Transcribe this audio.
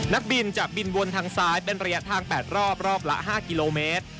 นักบินจะบินวนทางซ้ายเป็นระยะทาง๘รอบรอบละ๕กิโลเมตร